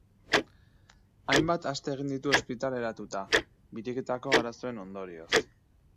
Hainbat aste egin ditu ospitaleratuta, biriketako arazoen ondorioz.